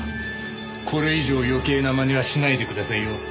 これ以上余計な真似はしないでくださいよ。